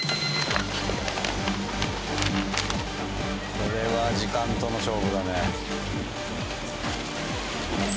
これは時間との勝負だね。